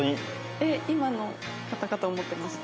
今の方かと思ってました。